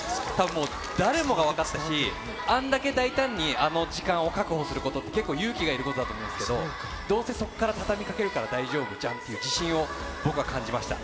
もう誰もが分かったし、あんだけ大胆にあの時間を確保することって、結構、勇気がいることだと思うんですけど、どうせそこから畳みかけるから大丈夫じゃんっていう自信を僕は感じました。